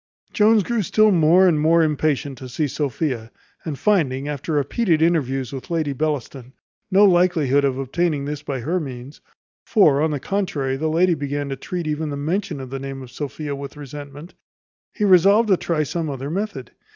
Jones grew still more and more impatient to see Sophia; and finding, after repeated interviews with Lady Bellaston, no likelihood of obtaining this by her means (for, on the contrary, the lady began to treat even the mention of the name of Sophia with resentment), he resolved to try some other method.